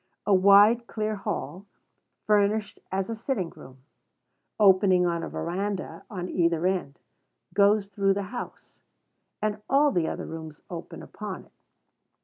A wide, clear hall, furnished as a sitting room, opening on a veranda on either end, goes through the house; and all the other rooms open upon it.